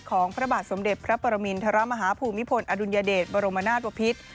พระบาทสมเด็จพระปรมินทรมาฮาภูมิพลอดุลยเดชบรมนาศบพิษ